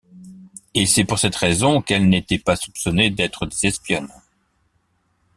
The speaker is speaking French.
Et c'est pour cette raison, qu'elles n'étaient pas soupçonnées d'être des espionnes.